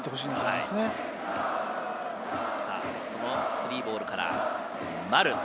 ３ボールからの。